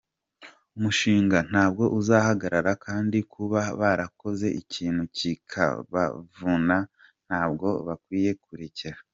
Umushinga ntabwo uzahagarara kandi kuba barakoze ikintu kikabavuna ntabwo bakwiye kurekera.